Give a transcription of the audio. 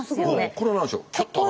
これは何でしょう？